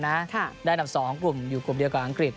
ในในการที่ได้สองกลุ่มอยู่กรุงเดียวกับันอังกฤษ